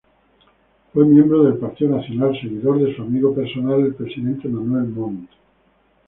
Fue miembro del Partido Nacional, seguidor de su amigo personal, el presidente Manuel Montt.